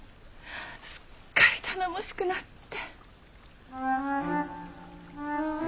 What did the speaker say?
すっかり頼もしくなって。